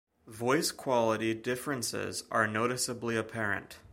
Voice quality differences are noticeably apparent.